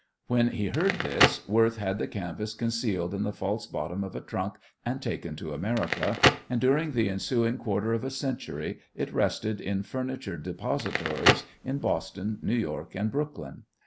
When he heard this Worth had the canvas concealed in the false bottom of a trunk and taken to America, and during the ensuing quarter of a century it rested in furniture depositories in Boston, New York and Brooklyn.